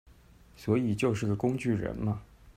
所以就是個工具人嘛